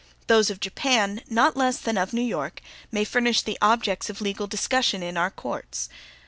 Those of Japan, not less than of New York, may furnish the objects of legal discussion to our courts.